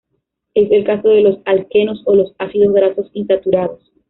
Es el caso de los alquenos o los ácidos grasos insaturados.